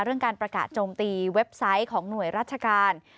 เรื่องการประกาศโจมตีเว็บไซต์ของหน่วยราชการ